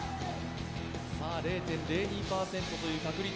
０．０２％という確率。